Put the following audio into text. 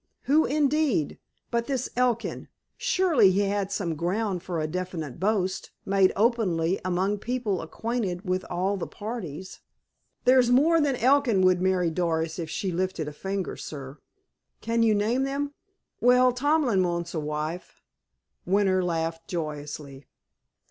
"Who, indeed? But this Elkin—surely he had some ground for a definite boast, made openly, among people acquainted with all the parties?" "There's more than Elkin would marry Doris if she lifted a finger, sir." "Can you name them?" "Well, Tomlin wants a wife." Winter laughed joyously.